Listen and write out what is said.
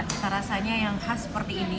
cita rasanya yang khas seperti ini